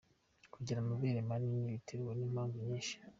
Kugira amabere manini biterwa n’impamvu nyinshi.